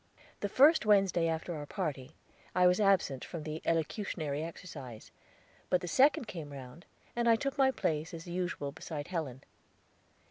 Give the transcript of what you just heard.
The first Wednesday after our party, I was absent from the elocutionary exercise; but the second came round, and I took my place as usual beside Helen.